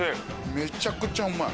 めちゃくちゃうまい。